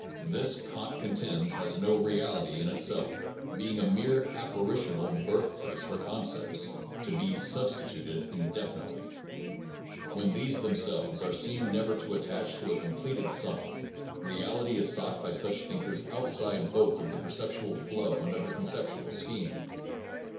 This, Kant con tends, has no reality in itself, being a mere apparitional birth place for concepts, to be substituted indefinitely. When these them selves are seen never to attain to a completed sum, reality is sought by such thinkers outside both of the perceptual flow and of the concept ual scheme.